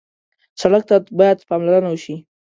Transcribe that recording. سړک ته باید پاملرنه وشي.